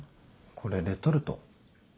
これレトルト？